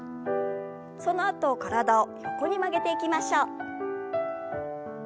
そのあと体を横に曲げていきましょう。